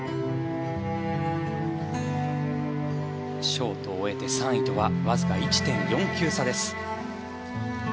ショートを終えて３位とはわずか１．４９差です。